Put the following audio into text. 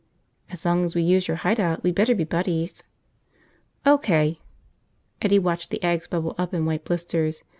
"As long as we use your hide out, we'd better be buddies." "O.K." Eddie watched the eggs bubble up in white blisters.